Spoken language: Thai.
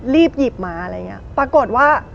รีบหยิบม้าปรากฏว่า